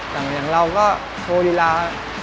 อย่างเราก็โชว์ลีลา